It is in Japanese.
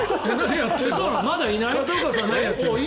まだいない？